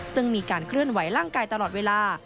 ซึ่งมีการเคลื่อนไหวร่างกายตลอดเวลา